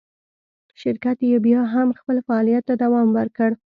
شرکت یې بیا هم خپل فعالیت ته دوام ورکړ.